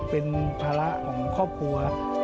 เป็นภาระของครอบครัว